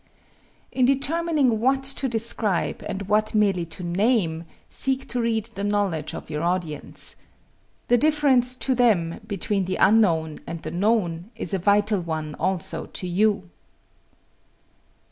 In determining what to describe and what merely to name, seek to read the knowledge of your audience. The difference to them between the unknown and the known is a vital one also to you.